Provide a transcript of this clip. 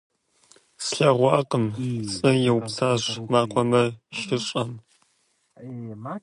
- Слъэгъуакъым, - пцӏы иупсащ мэкъумэшыщӏэм.